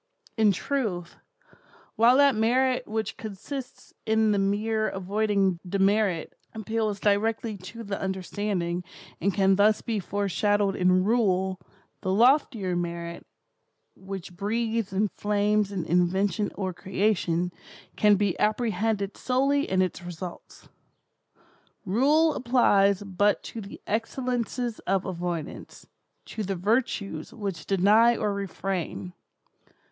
In truth, while that merit which consists in the mere avoiding demerit, appeals directly to the understanding, and can thus be foreshadowed in Rule, the loftier merit, which breathes and flames in invention or creation, can be apprehended solely in its results. Rule applies but to the excellences of avoidance—to the virtues which deny or refrain.